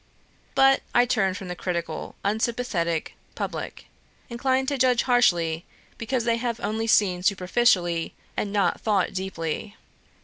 But I turn from the critical, unsympathetic public inclined to judge harshly because they have only seen superficially and not thought deeply.